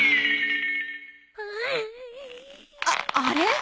あっあれ？